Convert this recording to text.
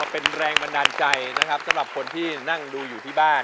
เป็นแรงบันดาลใจนะครับสำหรับคนที่นั่งดูอยู่ที่บ้าน